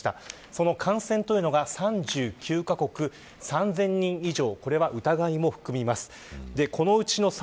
その感染というのが３９カ国３０００人以上これは疑いも含みます。